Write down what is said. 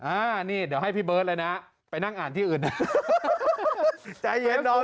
อ่านี่เดี๋ยวให้พี่เบิร์ตเลยนะไปนั่งอ่านที่อื่นนะใจเย็นลง